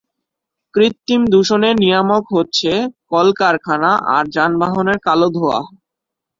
কৃত্রিম দূষণের নিয়ামক হচ্ছে কলকারখানা আর যানবাহনের কালো ধোয়া।